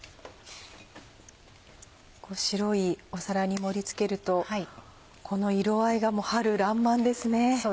白いお皿に盛り付けるとこの色合いが春らんまんですね。